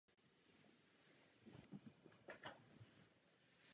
Ve značné části území chybí zcela.